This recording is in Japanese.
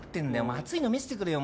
熱いの見せてくれよ